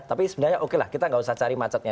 tapi sebenarnya oke lah kita nggak usah cari macetnya